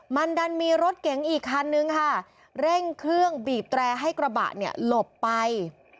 มันดันมีรถเก๋งอีกคันนึงค่ะเร่งเครื่องบีบแตรให้กระบะเนี่ยหลบไป